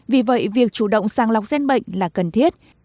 vì vậy việc chủ động sàng lọc gen bệnh là cần thiết